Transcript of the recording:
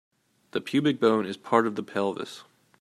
The pubic bone is part of the pelvis.